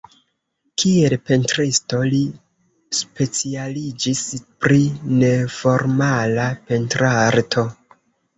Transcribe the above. Kiel pentristo, li specialiĝis pri neformala pentrarto.